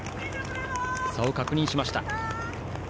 差を確認しました。